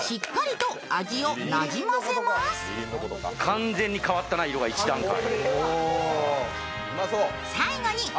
完全に変わったな、色が、１段階。